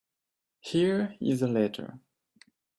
Here is the letter.